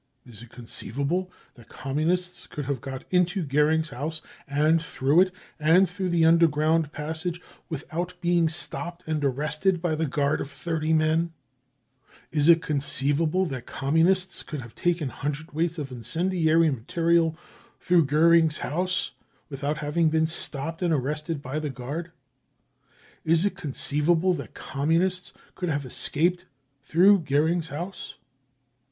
Is it conceivable that Communists could have got into Goering's house and through it and through the under ground passage, without being stopped and arrested by the guard of 30 men ? Is it conceivable that Communists could have taken hundredweights of incendiary material through Goering's house without having been stopped and arrested by the guard ? Is it conceivable that Communists could have escaped through Goering's house